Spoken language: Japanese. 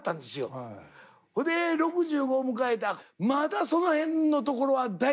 ほんで６５迎えてまだその辺のところは大丈夫。